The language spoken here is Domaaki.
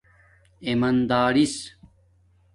ایمادارس